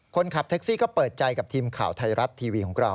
คนขับแท็กซี่ก็เปิดใจกับทีมข่าวไทยรัฐทีวีของเรา